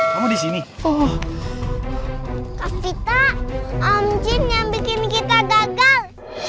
kamu disini oh kita om jin yang bikin kita gagal